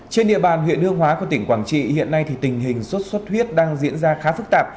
trên địa bàn huyện hương hóa của tỉnh quảng trị hiện nay tình hình xuất xuất huyết đang diễn ra khá phức tạp